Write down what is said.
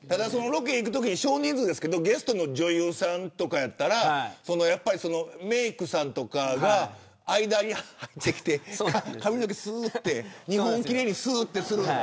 ロケ行くときに少人数ですがゲストの女優さんとかやったらメークさんとかが間に入ってきて、髪の毛すーって２本、奇麗にすーってする。